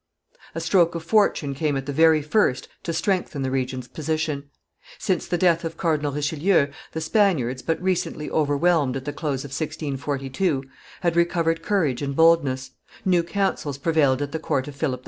A stroke of fortune came at the very first to strengthen the regent's position. Since the death of Cardinal Richelieu, the Spaniards, but recently overwhelmed at the close df 1642, had recovered courage and boldness; new counsels prevailed at the court of Philip IV.